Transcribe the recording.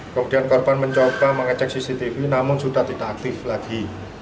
kemudian korban mencoba mengecek cctv namun sudah tidak aktif lagi